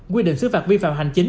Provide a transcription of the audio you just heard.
quy định xứ phạt vi phạm hành chính